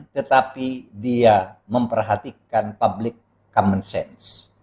tetapi dia memperhatikan public common sense